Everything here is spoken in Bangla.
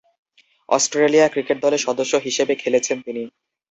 অস্ট্রেলিয়া ক্রিকেট দলের সদস্য হিসেবে খেলেছেন তিনি।